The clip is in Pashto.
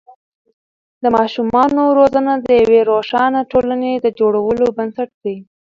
د ماشومانو روزنه د یوې روښانه ټولنې د جوړولو بنسټ دی.